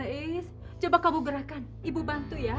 kakak iis coba kamu gerakan ibu bantu ya